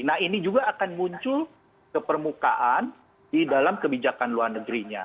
nah ini juga akan muncul ke permukaan di dalam kebijakan luar negerinya